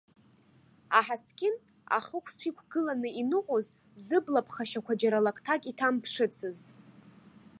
Аҳаскьын ахықәцә иқәгыланы иныҟәоз, зыбла-ԥхашьақәа џьара лакҭак иҭамԥшыцыз.